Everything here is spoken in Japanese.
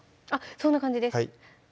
そんな感じです